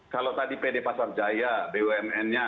kalau tadi bd pasar jaya bumn